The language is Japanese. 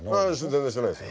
全然してないですよ。